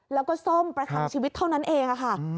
แล้วก็ซ่อมประทังชีวิตเท่านั้นเองค่ะ